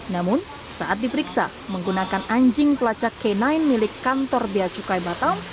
namun saat diperiksa menggunakan anjing pelacak k sembilan milik kantor beacukai batam